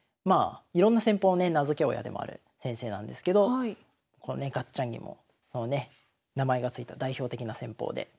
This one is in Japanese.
いろんな戦法をね名付け親でもある先生なんですけどこのねガッチャン銀もそのね名前が付いた代表的な戦法で。